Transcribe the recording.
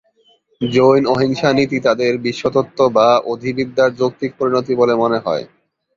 জৈন অহিংসা নীতি তাদের বিশ্বতত্ত্ব বা অধিবিদ্যার যৌক্তিক পরিণতি বলে মনে হয়।